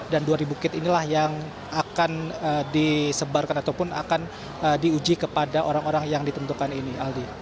dan dua ribu kit inilah yang akan disebarkan ataupun akan diuji kepada orang orang yang ditentukan ini aldi